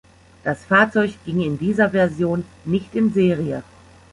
Das Fahrzeug ging in dieser Version nicht in Serie.